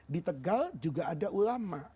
di tegal juga ada ulama